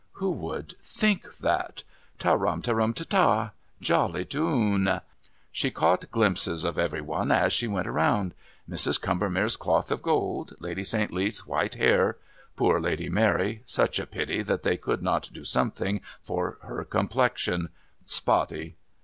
"Who would think that? Ta ram te tum te TA.... Jolly tu une!" She caught glimpses of every one as they went round. Mrs. Combermere's cloth of gold, Lady St. Leath's white hair. Poor Lady Mary such a pity that they could not do something for her complexion. Spotty.